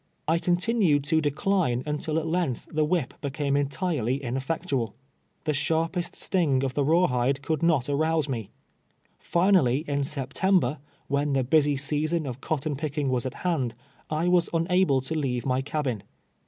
I continued to decline until at length the wdiip became entirely ineiiectual. The sharpest sting of the rawhide could not arouse me. Finally, in September, when the busy season of cotton picking was at hand, I was unable to leave my cabin.